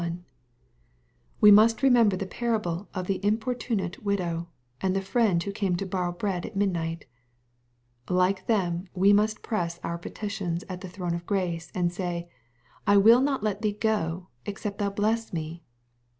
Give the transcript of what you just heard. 1.) We must remember the parable of the importunate widow, and of the friend who came to borrow bread at midnight. Like them we must press our petitions at the throne of grace, and say, " I will not let thee go, except thou bless me."